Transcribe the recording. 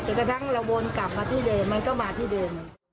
กระทั่งเราวนกลับมาที่เดิมมันก็มาที่เดิม